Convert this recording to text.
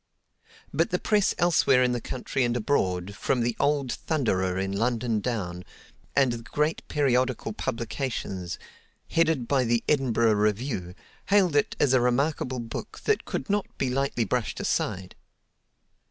But the press elsewhere in the country and abroad, from the old "Thunderer" in London down, and the great periodical publications, headed by the "Edinburgh Review," hailed it as a remarkable book that could not be lightly brushed aside.